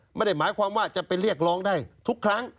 ไม่ได้หมายความว่าจะไปเรียกร้องได้ทุกครั้ง